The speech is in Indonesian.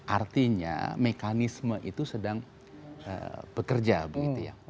artinya mekanisme itu sedang bekerja begitu ya